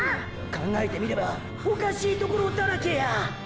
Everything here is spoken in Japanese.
考えてみればおかしいところだらけや！